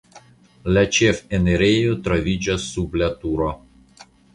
La ĉefenirejo troviĝas sub la turo.